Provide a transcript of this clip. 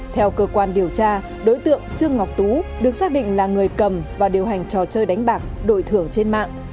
theo cơ quan điều tra đối tượng trương ngọc tú được xác định là người cầm và điều hành trò chơi đánh bạc đổi thưởng trên mạng